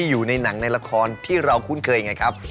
ที่อยู่ในหนังในละครที่เราคุ้นเคยอย่างไรครับ